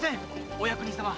お役人様！